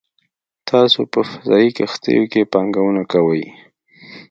تاسو په فضايي کښتیو کې پانګونه کوئ